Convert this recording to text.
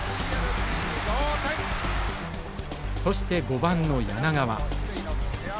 そして５番の柳川。